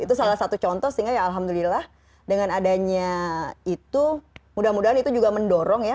itu salah satu contoh sehingga ya alhamdulillah dengan adanya itu mudah mudahan itu juga mendorong ya